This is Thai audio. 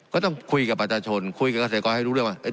ก็ต้องคุยกับประชาชนคุยกับเกษตรกรให้รู้เรื่องว่า